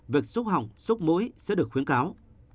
việc xúc hỏng xúc mũi sẽ được khuyến cáo